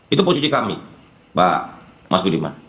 itu posisi kami mbak mas budiman